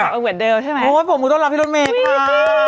กลับมาเหมือนเดิมใช่ไหมโอ้ผมต้องรับพี่รถเมฆค่ะ